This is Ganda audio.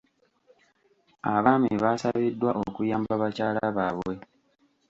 Abaami baasabiddwa okuyamba bakyala baabwe.